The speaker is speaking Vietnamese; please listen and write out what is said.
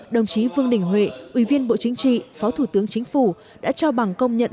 đồng chí vương đình huệ ủy viên bộ chính trị phó thủ tướng chính phủ đã trao bằng công nhận